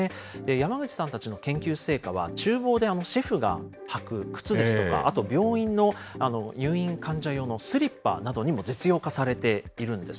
山口さんたちの研究成果は、ちゅう房でシェフが履く靴ですとか、あと病院の入院患者用のスリッパなどにも実用化されているんです。